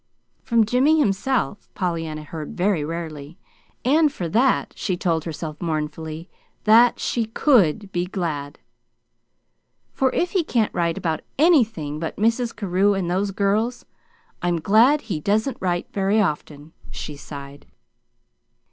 From Jimmy himself Pollyanna heard very rarely; and for that she told herself mournfully that she COULD be GLAD. "For if he can't write about ANYTHING but Mrs. Carew and those girls, I'm glad he doesn't write very often!" she sighed.